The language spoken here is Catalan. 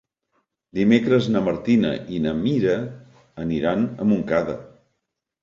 Dimecres na Martina i na Mira aniran a Montcada.